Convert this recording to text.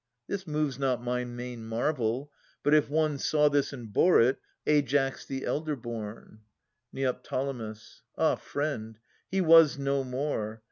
This moves not my main marvel, but if one Saw this and bore it,— Aias the elder born. Ned. Ah, friend, he was no more.